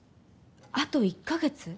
あと１か月？